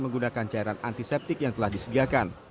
menggunakan cairan antiseptik yang telah disediakan